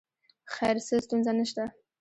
خیر څه ستونزه نه شته.